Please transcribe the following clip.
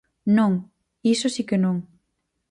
Non, iso si que non.